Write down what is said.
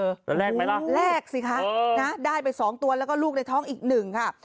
แล้วแรกไหมล่ะแรกสิคะนะได้ไปสองตัวแล้วก็ลูกในท้องอีกหนึ่งค่ะ